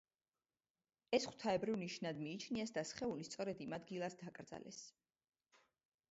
ეს ღვთაებრივ ნიშნად მიიჩნიეს და სხეული სწორედ იმ ადგილას დაკრძალეს.